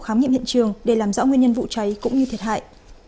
khám nghiệm hiện trường để làm rõ nguyên nhân vụ cháy cũng như thiệt hại